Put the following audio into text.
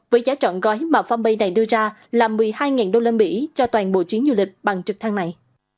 với giá trọn gói mà phòng bay này đưa ra là một mươi hai usd cho toàn bộ chuyến du lịch bằng trực thăng này